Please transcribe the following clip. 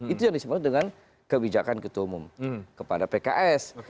itu yang disebut dengan kebijakan ketua umum kepada pks